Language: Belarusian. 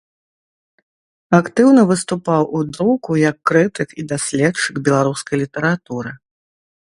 Актыўна выступаў у друку як крытык і даследчык беларускай літаратуры.